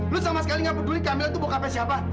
lu sama sekali nggak peduli kamila tuh bokapnya siapa